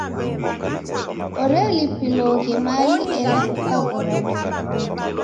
Orelipiloghe mali ela ukaghora ndoumkunde.